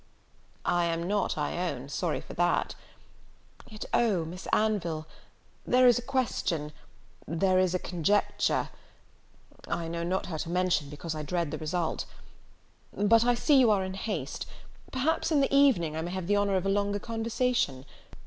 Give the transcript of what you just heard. "I am not, I own, sorry for that. Yet, oh! Miss Anville, there is a question, there is a conjecture, I know not how to mention, because I dread the result! But I see you are in haste; perhaps in the evening I may have the honour of a longer conversation.